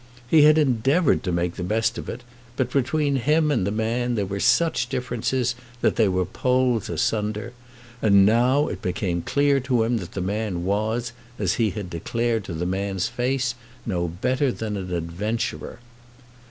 He had endeavoured to make the best of it, but between him and the man there were such differences that they were poles asunder. And now it became clear to him that the man was, as he had declared to the man's face, no better than an adventurer!